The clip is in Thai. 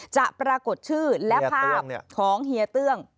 จะปรากฏชื่อและภาพของเฮียเตื้อง